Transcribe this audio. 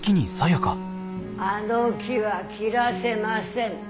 あの木は切らせません。